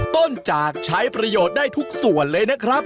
ต้นจากใช้ประโยชน์ได้ทุกส่วนเลยนะครับ